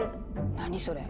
何それ？